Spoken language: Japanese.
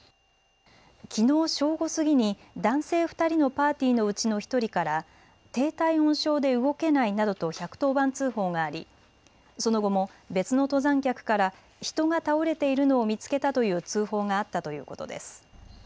きのう正午過ぎに男性２人のパーティーのうちの１人から低体温症で動けないなどと１１０番通報があり、その後も別の登山客から人が倒れているのを見つけたという通報があったということです。